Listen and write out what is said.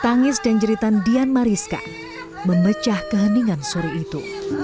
tangis dan jeritan dian mariska memecah keheningan sore itu